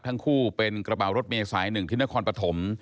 ทั้งคู่เป็นกระบเหล่ากระเป๋ารถเมษัยหนึ่งทิณคอนปฐม